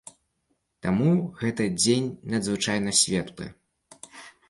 Таму гэты дзень надзвычай светлы.